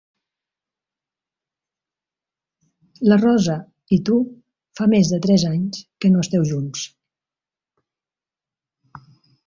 La Rosa i tu fa més de tres anys que no esteu junts.